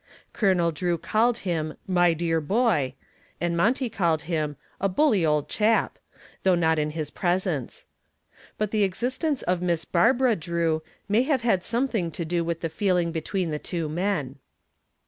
Colonel Drew called him "my dear boy," and Monty called him "a bully old chap," though not in his presence. But the existence of Miss Barbara Drew may have had something to do with the feeling between the two men.